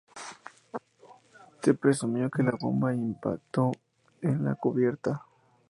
Se presumió que la bomba impactó en la cubierta.